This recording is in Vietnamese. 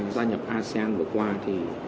gia nhập asean vừa qua thì